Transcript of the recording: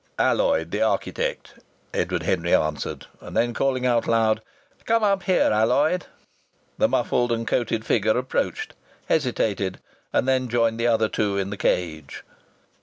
"Alloyd, the architect," Edward Henry answered, and then calling loud, "Come up here, Alloyd." The muffled and coated figure approached, hesitated, and then joined the other two in the cage.